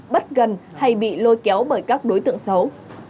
bất gần hay bị lôi kéo bởi các đối tượng xấu